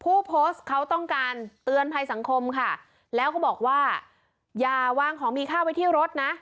ผู้โพสต์เขาต้องการเตือนภัยสังคมค่ะแล้วเขาบอกว่าอย่าวางของมีค่าไว้ที่รถนะ